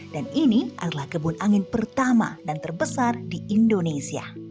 dan ini adalah kebun angin pertama dan terbesar di indonesia